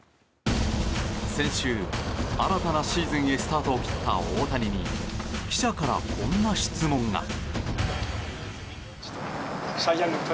先週、新たなシーズンへスタートを切った大谷に記者から、こんな質問が。